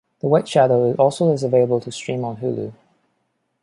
The White Shadow also is available to stream on Hulu.